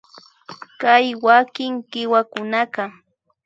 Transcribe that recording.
Kay wakin kiwakunaka